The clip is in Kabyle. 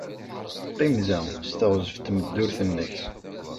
Qqim da s teɣzef n tmeddurt-nnek.